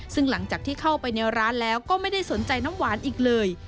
ซึ่งหลังจากที่เข้าไปในร้านแล้วก็ไม่ได้สนใจน้ำหวานอีกเลย